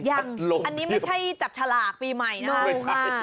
ยังอันนี้ไม่ใช่จับฉลากปีใหม่นะถูกค่ะ